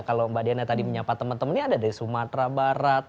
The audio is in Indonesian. kalau mbak diana tadi menyapa teman teman ini ada dari sumatera barat